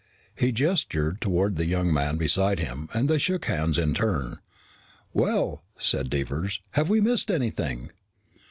He gestured toward the young man beside him and they shook hands in turn. "Well," said Devers, "have we missed anything?"